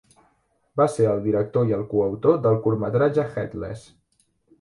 Va ser el director i el coautor del curtmetratge "Headless!".